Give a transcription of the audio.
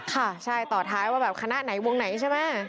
ค่ะใช่ต่อท้ายว่าแบบคณะไหนวงไหนใช่ไหม